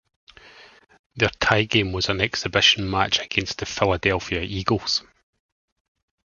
Their tie game was an exhibition match against the Philadelphia Eagles.